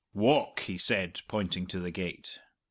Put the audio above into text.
"Walk," he said, pointing to the gate.